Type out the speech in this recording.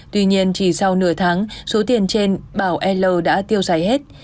tuy nhiên chỉ sau nửa tháng số tiền trên bảo l đã tiêu giải hết